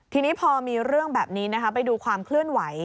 ทีนี้พอมีเรื่องแบบนี้นะคะไปดูความเคลื่อนไหว